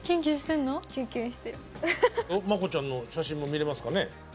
ＭＡＫＯちゃんの写真も見れますかね。